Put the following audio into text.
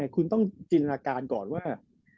คุณต้องจินการกันก่อนว่า